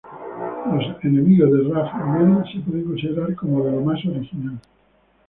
Los enemigos de Ruff y Reddy se pueden considerar como de lo más original.